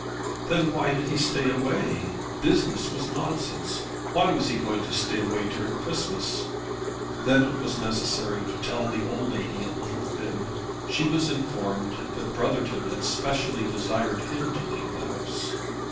Then why did he stay away? Business was nonsense. Why was he going to stay away during Christmas. Then it was necessary to tell the old lady a little fib. She was informed that Brotherton had specially desired him to leave the house.